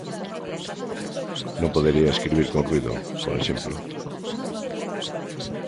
Non podería escribir con ruído, por exemplo.